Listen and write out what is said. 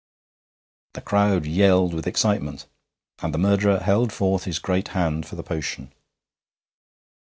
The crowd yelled with excitement, and the murderer held forth his great hand for the potion.